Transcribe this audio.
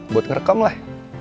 buat ngerekam lah